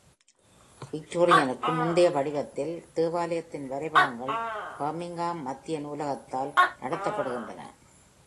விக்டோரியனுக்கு முந்தைய வடிவத்தில் தேவாலயத்தின் வரைபடங்கள் பர்மிங்காம் மத்திய நூலகத்தால் நடத்தப்படுகின்றன.